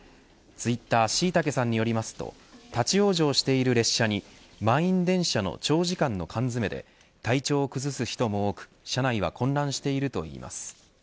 ツイッターしいたけさんによりますと立ち往生している列車に満員電車の長時間の缶詰で体調を崩す人も多く車内は混乱しているといいます。